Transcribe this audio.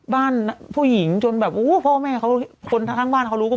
บ้านผู้หญิงจนแบบโอ้พ่อแม่เขาคนทั้งบ้านเขารู้ก็